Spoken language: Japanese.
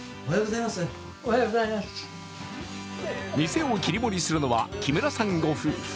店を切り盛りするのは木村さんご夫婦。